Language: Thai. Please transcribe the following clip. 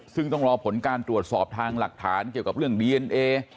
ซึ่งต้องรอผลการตรวจสอบทางหลักฐานเกี่ยวกับเรื่องดีเอนเอ